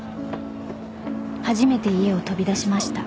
［初めて家を飛び出しました］